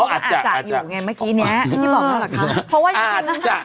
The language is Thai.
อาจจะอาจจะ